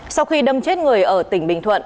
sau khi đâm chết người ở tỉnh bình thuận